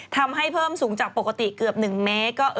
ทำให้เพิ่มสูงจากปกติเกือบ๑แมคก็